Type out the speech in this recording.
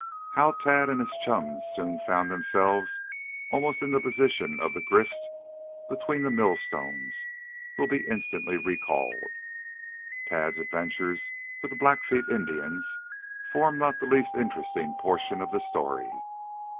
How Tad and his chums soon found themselves almost in the position of the grist between the millstones will be instantly recalled. Tad's adventures with the Blackfeet Indians formed not the least interesting portion of the story.